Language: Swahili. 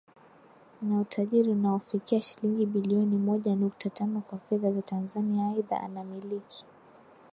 na utajiri unaofikia shilingi bilioni moja nukta tano kwa fedha za Tanzania Aidha anamiliki